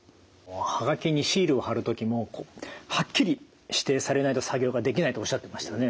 はがきにシールを貼る時もはっきり指定されないと作業ができないとおっしゃってましたよね。